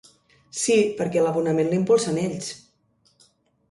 Sí, perquè l’abonament l’impulsen ells.